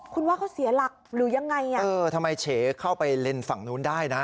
คุณว่าเขาเสียหลักหรือยังไงอ่ะเออทำไมเฉเข้าไปเลนส์ฝั่งนู้นได้นะ